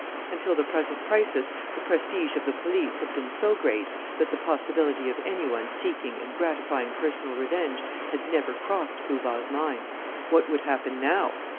Until the present crisis the prestige of the police had been so great that the possibility of any one seeking and gratifying personal revenge had never crossed Poo Bah's mind. What would happen now?